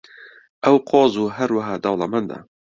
ئەو قۆز و هەروەها دەوڵەمەندە.